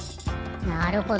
なるほど。